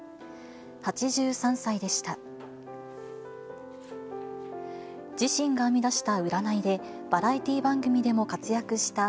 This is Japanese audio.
８３歳でした。